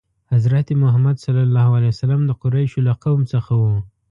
حضرت محمد ﷺ د قریشو له قوم څخه و.